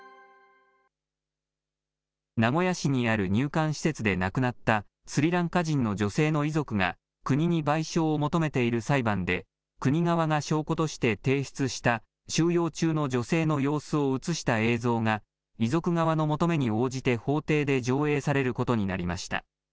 名古屋市にある入管施設で亡くなったスリランカ人の女性の遺族が、国に賠償を求めている裁判で、国側が証拠として提出した、収容中の女性の様子を写した映像が、遺族側の求めに応じて法廷で上映されることになりました。